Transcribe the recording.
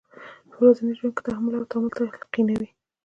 په ورځني ژوند کې تحمل او تامل تلقینوي.